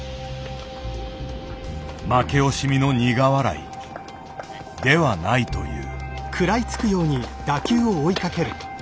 負け惜しみの苦笑いではないという。